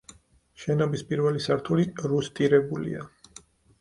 შენობის პირველი სართული რუსტირებულია.